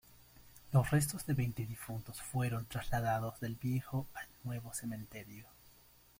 Los restos de veinte difuntos fueron trasladados del viejo al nuevo cementerio.